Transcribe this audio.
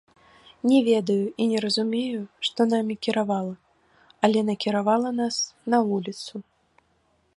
Не ведаю і не разумею, што намі кіравала, але накіравала нас на вуліцу.